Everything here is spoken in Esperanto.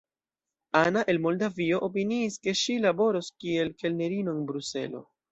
Ana el Moldavio opiniis, ke ŝi laboros kiel kelnerino en Bruselo.